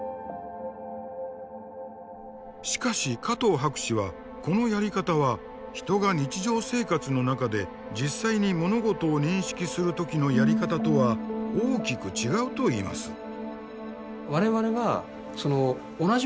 しかし加藤博士はこのやり方は人が日常生活の中で実際に物事を認識する時のやり方とは大きく違うといいます。